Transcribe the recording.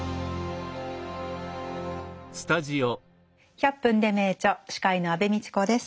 「１００分ｄｅ名著」司会の安部みちこです。